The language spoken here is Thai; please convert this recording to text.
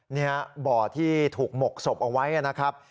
เนี่ยบ่อที่ถูกหมกศพเอาไว้นะครับ